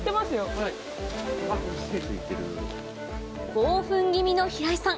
興奮気味の平井さん